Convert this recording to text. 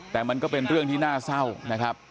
แต่มันก็เป็นเรื่องที่น่าเศร้านะครับ